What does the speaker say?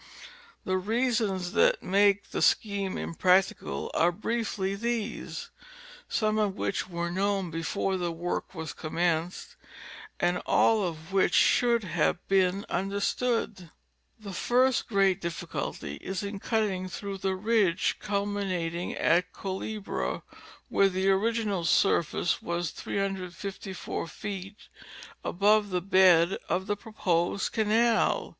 The reasons that make the scheme impracticable are briefly these, some of which were known before the work was commenced, and all of which should have been understood. The first great difficulty is in cutting through the ridge cul minating at Culebra where the original surface was 354 feet above the bed of the proposed canal.